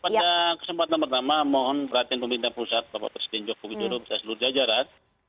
pada kesempatan pertama mohon perhatian pemerintah pusat bapak presiden joko widodo bersama seluruh jajaran